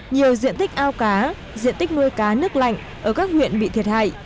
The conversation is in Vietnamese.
nhiều diện tích ao cá diện tích nuôi cá nước lạnh ở các huyện bị thiệt hại